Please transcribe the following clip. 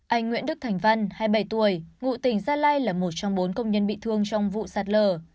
anh nguyễn đức thành văn hai mươi bảy tuổi ngụ tỉnh gia lai là một trong bốn công nhân bị thương trong vụ sạt lở